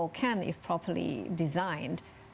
jika disesuaikan dengan betul